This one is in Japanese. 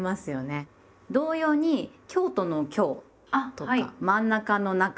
同様に京都の「京」とか真ん中の「中」